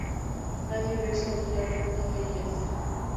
Nadie vio salir a alguna de ellas.